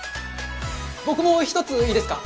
僕も１ついいですか？